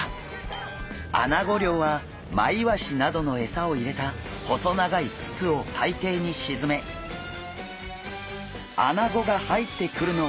アナゴ漁はマイワシなどのエサを入れた細長い筒を海底に沈めアナゴが入ってくるのを待つ漁法。